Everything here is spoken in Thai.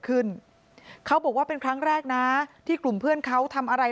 ขึ้นเขาบอกว่าเป็นครั้งแรกนะที่กลุ่มเพื่อนเขาทำอะไร